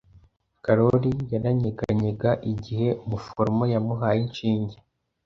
Karoli yaranyeganyega igihe umuforomo yamuhaye inshinge.